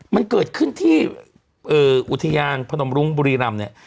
มันเกิดขึ้นที่อุทยานพนมรุ้งบุรีรำเนี่ย